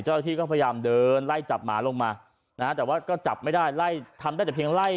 เจ้าหน้าที่ก็พยายามเดินไล่จับหมาลงมานะฮะแต่ว่าก็จับไม่ได้ไล่ทำได้แต่เพียงไล่